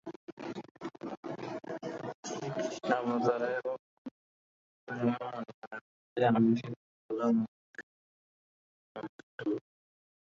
শ্রীকৃষ্ণাবতারে ভগবান বলিয়াছেন সূত্র যেমন মণিগণের মধ্যে, আমিও সেইরূপ সকল ধর্মের মধ্যে অনুস্যূত।